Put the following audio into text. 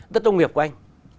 đất đông nghiệp của anh